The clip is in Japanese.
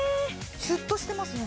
シュッとしてますね